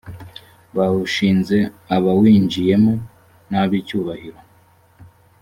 bawushinze abawinjiyemo n’ab’icyubahiro